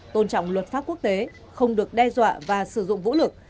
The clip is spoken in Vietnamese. tôn trọng luật pháp quốc tế không được đe dọa và sử dụng vũ lực